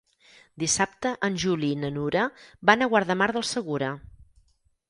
Dissabte en Juli i na Nura van a Guardamar del Segura.